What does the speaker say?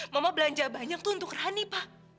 mama belanja banyak tuh untuk rani pak